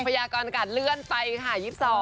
พระยากรอดอากาศเลื่อนไปค่ะ๒๒